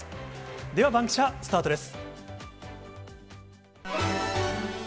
ではバンキシャ、スタートです。